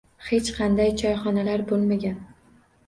Hech qanday choyxonalar bo'lmagan.